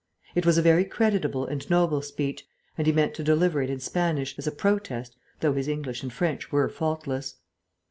It was a very creditable and noble speech, and he meant to deliver it in Spanish, as a protest, though his English and French were faultless.